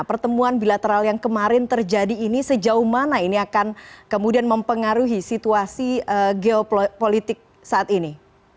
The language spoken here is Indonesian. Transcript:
pertemuan bilateral yang kemarin terjadi ini sejauh mana ini akan kemudian mempengaruhi situasi geopolitik saat ini